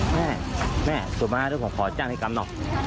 แม่โสดมากบอกว่าขอจ้างให้กำหน่อ